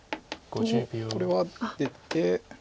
これは出て。